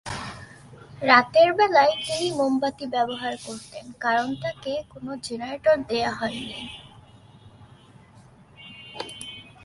রাতের বেলায় তিনি মোমবাতি ব্যবহার করতেন কারণ তাকে কোনো জেনারেটর দেয়া হয়নি।